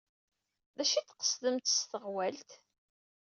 D acu ay d-tqesdemt s teɣwalt?